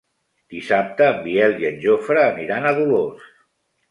Dissabte en Biel i en Jofre aniran a Dolors.